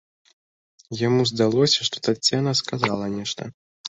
Яму здалося, што Тацяна сказала нешта.